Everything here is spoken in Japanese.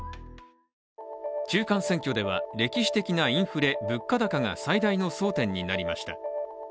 中間選挙では、歴史的なインフレ物価高が最大の争点になりました。